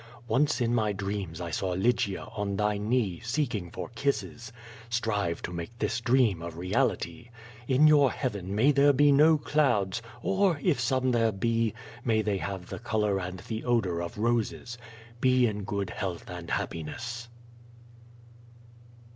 Once in my dreams I saw Lygia on thy knee, seeking for kisses. Strive to make this dream a reality. In your heaven may there be no clouds, or, if some there be, may they have the color and the odor of roses. Be in good health and happiness.